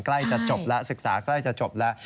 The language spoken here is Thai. ใกล้จะจบแล้วศึกษาใกล้จะจบแล้ว